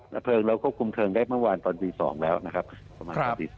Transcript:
ระเภิงเราก็คุมเทิงได้เมื่อวานตอนสี่สองแล้วนะครับ